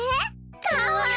かわいい！